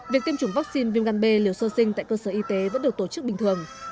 việc tiêm chủng vaccine viêm gan b liều sơ sinh tại cơ sở y tế vẫn được tổ chức bình thường